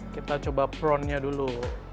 kita coba prawn nya dulu